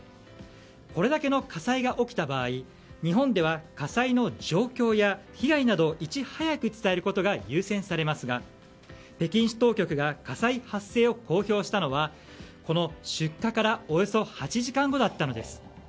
これだけの火災が起きた場合日本では火災の状況や被害など、いち早く伝えることが優先されますが北京市当局が火災発生を公表したのはこの出火からおよそ８時間後だったのです。